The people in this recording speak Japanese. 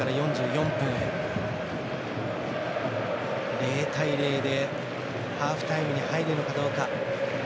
０対０でハーフタイムに入るのかどうか。